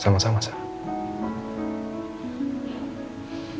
sama sama sarah